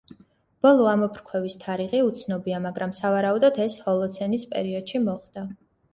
ბოლო ამოფრქვევის თარიღი უცნობია, მაგრამ სავარაუდოდ ეს ჰოლოცენის პერიოდში მოხდა.